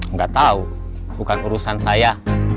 nggak tahu bukan urusan saya